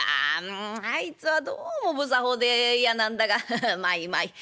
うんあいつはどうも不作法で嫌なんだがまあいいまあいい。